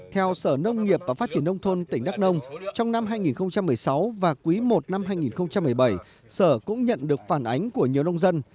theo sở nông nghiệp và phát triển nông thôn tỉnh đắk nông trong năm hai nghìn một mươi sáu và quý i năm hai nghìn một mươi bảy sở cũng nhận được phản ánh của nhiều nông dân